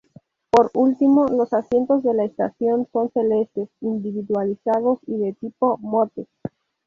Por último, los asientos de la estación son celestes, individualizados y de tipo "Motte".